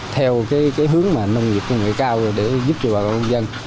theo cái hướng mà nông nghiệp công nghệ cao để giúp cho bà con dân